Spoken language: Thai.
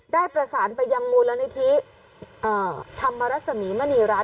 ได้ประสานไปยังมูลนิธิธรรมรัศมีมณีรัฐ